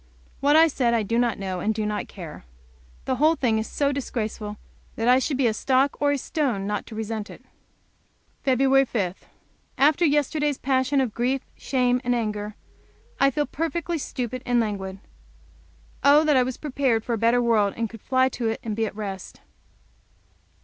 What I said I do not know, and do not care. The whole thing is so disgraceful that I should be a stock or a stone not to resent it. Feb. 5. After yesterday's passion of grief, shame, and anger, I feel perfectly stupid and languid. Oh, that I was prepared for a better world, and could fly to it and be at rest!